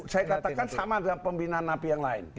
saya katakan sama dengan pembinaan napi yang lain